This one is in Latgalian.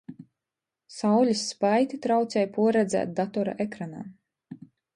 Saulis spaiti traucej puorredzēt datora ekranā.